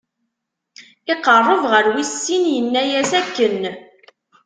Iqerreb ɣer wis sin, inna-as akken.